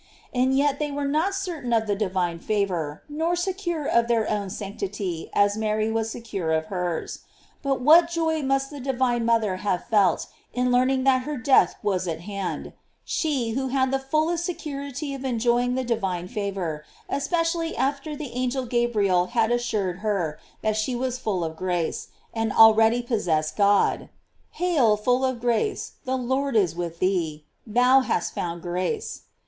And yet they were not certain of the divine favor, nor secure of their own sanctity, as Mary was secure of hers. But what joy must the divine mother have felt * Abito, abite com lacrymis vestris; non est terupus lacrymarum. GLORIES OF MARY. 481 in learning that her death was at hand; she, who had the fullest security of enjoying the divine favor, especially after the angel Gabriel had assured her that she was full of grace, and already possessed God! "Hail, full of grace, the Lord is with thee .... thou hast found grace."